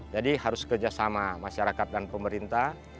jadi harus kerjasama masyarakat dan pemerintah